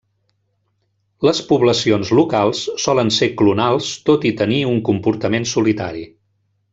Les poblacions locals solen ser clonals tot i tenir un comportament solitari.